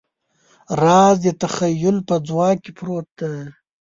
راز د تخیل په ځواک کې پروت دی.